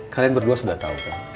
kalian berdua sudah tahu kan